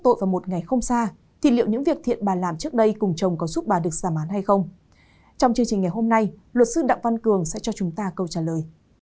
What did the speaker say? trong chương trình ngày hôm nay luật sư đặng văn cường sẽ cho chúng ta câu trả lời